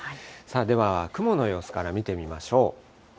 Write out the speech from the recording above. では雲の様子から見てみましょう。